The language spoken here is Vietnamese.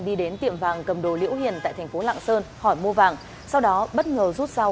đi đến tiệm vàng cầm đồ liễu hiền tại thành phố lạng sơn hỏi mua vàng sau đó bất ngờ rút dao